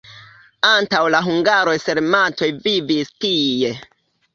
Antaŭ la hungaroj sarmatoj vivis tie.